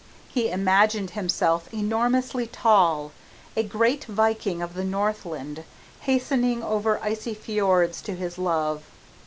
He imagined himself enormously tall a great Viking of the Northland, hastening over icy fiords to his love.